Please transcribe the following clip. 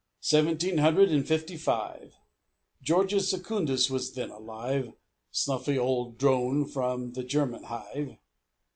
Seventeen hundred and fifty five. Georgius Secundus was then alive Snuffy old drone from the German hive.